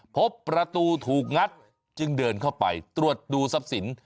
พบประตูถูกงัดจึงเดินเข้าไปตรวจดูทรัพย์สิน